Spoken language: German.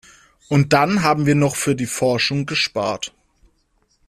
Und dann haben wir noch für die Forschung gespart.